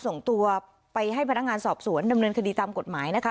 ส่งตัวไปให้พนักงานสอบสวนดำเนินคดีตามกฎหมายนะคะ